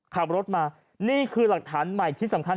ขับรถมานี่คือหลักฐานใหม่ที่สำคัญ